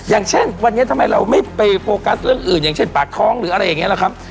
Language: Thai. อย่างเช่นวันนี้ทำไมเราไม่ไปโฟกัสเรื่องอื่นอย่างเช่นปากท้องหรืออะไรอย่างนี้แหละครับ